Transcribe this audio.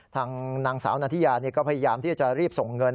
ทางนางสาวนาธิยาก็พยายามที่จะรีบส่งเงิน